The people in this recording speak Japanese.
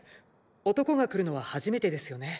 男が来るのは初めてですよね。